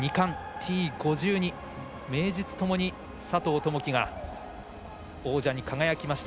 Ｔ５２、名実ともに佐藤友祈が王者に輝きました。